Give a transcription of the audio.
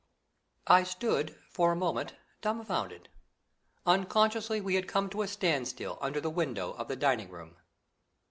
I stood for a moment dumbfounded. Unconsciously we had come to a standstill under the window of the dining room.